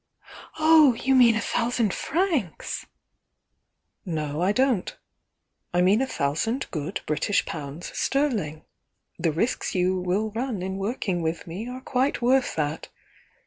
"Oh, you mean a thousand francs?" "No, I don't. I mean a thousand good British pounds sterling, — the risks you will run in working with me are quite worth that.